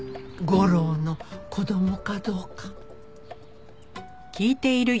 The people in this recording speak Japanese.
吾良の子供かどうか。